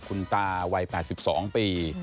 คุณตาวัย๘๒ปี